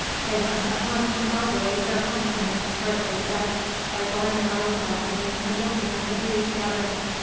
They must at once inaugurate their home coming, Gregory said, by going out on the balcony and looking at the view together.